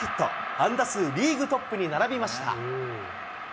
安打数リーグトップに並びました。